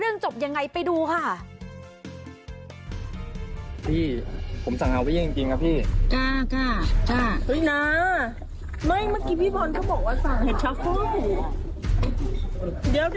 วิทยาลัยศาสตร์อัศวิทยาลัยศาสตร์